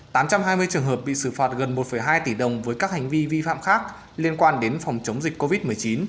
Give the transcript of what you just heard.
tám trăm hai mươi trường hợp bị xử phạt gần một hai tỷ đồng với các hành vi vi phạm khác liên quan đến phòng chống dịch covid một mươi chín